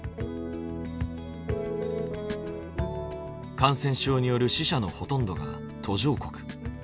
感染症による死者のほとんどが途上国。